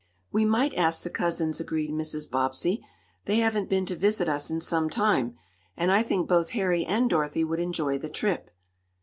"We might ask the cousins," agreed Mrs. Bobbsey. "They haven't been to visit us in some time, and I think both Harry and Dorothy would enjoy the trip."